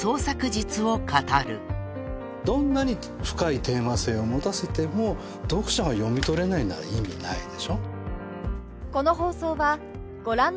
どんなに深いテーマ性を持たせても読者が読み取れないなら意味ないでしょ。